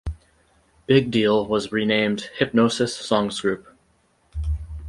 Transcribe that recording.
Big Deal was renamed Hipgnosis Songs Group.